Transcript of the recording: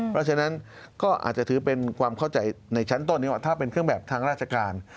เพราะฉะนั้นก็อาจจะถือเป็นความเข้าใจในชั้นต้นนี้ว่าถ้าเป็นเครื่องแบบทางราชการ